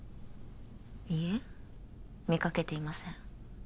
いいえ見かけていません